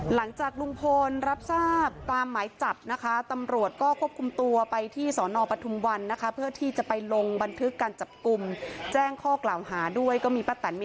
หลังจากลุงพลรับทราบตามหมายจับนะคะตำรวจก็ควบคุมตัวไปที่สอนอปทุมวันนะคะเพื่อที่จะไปลงบันทึกการจับกลุ่มแจ้งข้อกล่าวหาด้วยก็มีป้าแตนมี